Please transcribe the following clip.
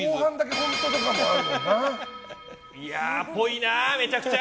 っぽいな、めちゃくちゃ。